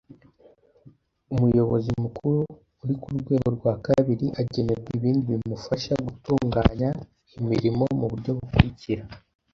umuyobozi mukuru uri ku rwego rwa kabiri agenerwa ibindi bimufasha gutunganya imirimo mu buryo bukurikira